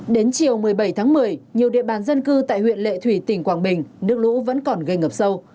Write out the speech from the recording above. đến chiều một mươi bảy tháng một mươi nhiều địa bàn dân cư tại huyện lệ thủy tỉnh quảng bình nước lũ vẫn còn gây ngập sâu